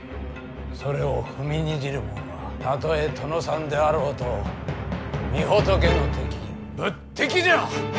それを踏みにじるもんはたとえ殿さんであろうと御仏の敵仏敵じゃ！